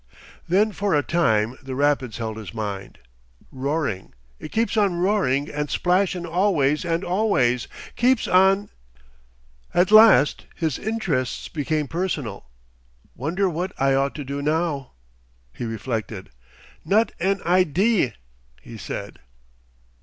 Then for a time the rapids held his mind. "Roaring. It keeps on roaring and splashin' always and always. Keeps on...." At last his interests became personal. "Wonder what I ought to do now?" He reflected. "Not an idee," he said.